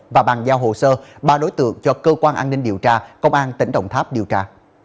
và bàn giao hồ sơ ba đối tượng cho cơ quan an ninh điều tra công an tỉnh đồng tháp điều tra